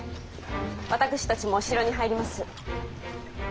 私たちも城に入ります。